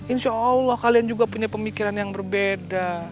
insya allah kalian juga punya pemikiran yang berbeda